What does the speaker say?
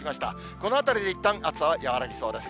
このあたりでいったん、暑さは和らぎそうです。